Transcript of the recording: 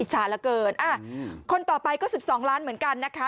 อิจฉาเหลือเกินอ่าคนต่อไปก็สิบสองล้านเหมือนกันนะคะ